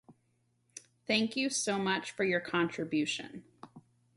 Thank you so much for your contribution.